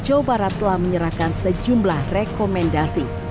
jawa barat telah menyerahkan sejumlah rekomendasi